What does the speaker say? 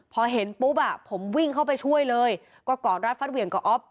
พอเห็นปุ๊บอ่ะผมวิ่งเข้าไปช่วยเลยก็กอดรัดฟัดเหวี่ยงกับอ๊อฟ